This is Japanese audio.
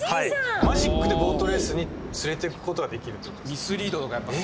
マジックでボートレースに連れてくことができるってことですかえっ！？